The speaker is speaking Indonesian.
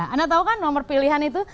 anda tahu kan nomor pilihan itu